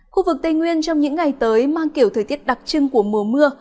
khu vực tây nguyên trong những ngày tới mang kiểu thời tiết đặc trưng của mùa mưa